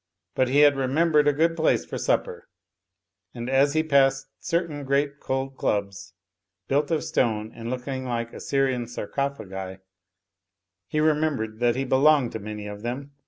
But he had remembered a good place for supper; and as he passed certain great cold clubs, built of stone and looking like Assyrian Sarcophagi, he remembered that he belonged to many of them.